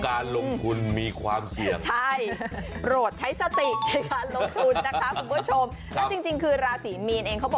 การลงทุนมีความเสี่ยง